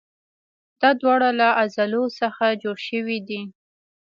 دا دواړه له عضلو څخه جوړ شوي دي.